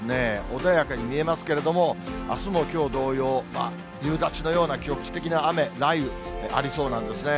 穏やかに見えますけれども、あすもきょう同様、夕立のような局地的な雨、雷雨、ありそうなんですね。